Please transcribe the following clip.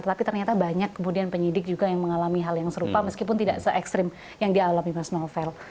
tapi ternyata banyak kemudian penyidik juga yang mengalami hal yang serupa meskipun tidak se ekstrim yang dialami mas novel